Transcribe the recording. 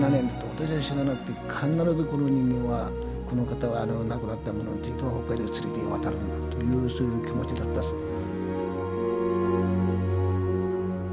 私は死ななくて必ずこの人間はこの方は亡くなった者については北海道に連れて渡るんだというそういう気持ちだったですね。